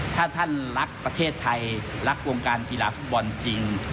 ถ้าท่านรักประเทศไทยรักวงการกีฬาฟุตบอลจริง